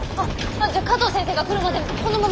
じゃあ加藤先生が来るまでこのまま。